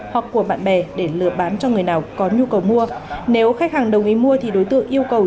hoặc của bạn bè để lừa bán cho người nào có nhu cầu mua nếu khách hàng đồng ý mua thì đối tượng yêu cầu